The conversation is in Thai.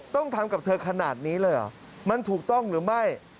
ต้องทำกับเธอขนาดนี้เลยเหรอมันถูกต้องหรือไม่